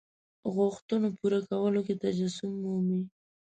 غوښتنو پوره کولو کې تجسم مومي.